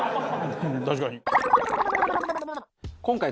確かに。